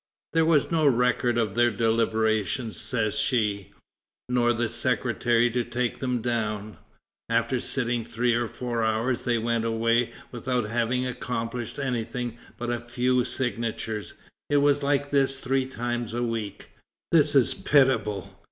"There was no record of their deliberations," says she, "nor a secretary to take them down; after sitting three or four hours, they went away without having accomplished anything but a few signatures; it was like this three times a week." "This is pitiable!"